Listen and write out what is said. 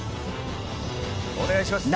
お願いします！